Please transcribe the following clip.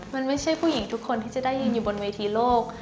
มันไม่ใช่ผู้หญิงทุกคนที่จะได้ยืนอยู่บนเวทีโลก